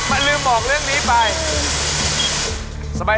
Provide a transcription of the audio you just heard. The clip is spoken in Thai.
ลืมบอกเรื่องนี้ไป